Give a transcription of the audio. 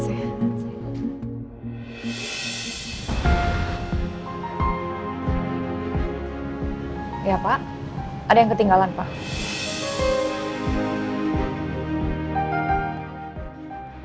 cinta yang belum sempat saya sampaikan